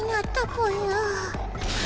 ぽよ！